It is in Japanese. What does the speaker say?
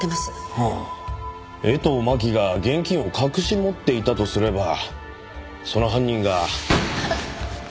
江藤真紀が現金を隠し持っていたとすればその犯人が。